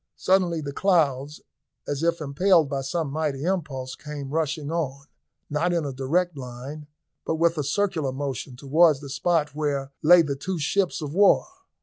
Suddenly the clouds, as if impelled by some mighty impulse, came rushing on, not in a direct line, but with a circular motion, towards the spot where lay the two ships of war.